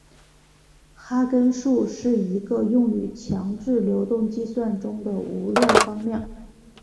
哈根数是一个用于强制流动计算中的无量纲量。